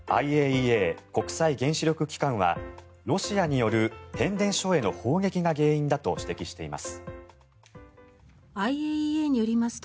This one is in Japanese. ＩＡＥＡ・国際原子力機関はロシアによる変電所への砲撃が原因だと指摘しています。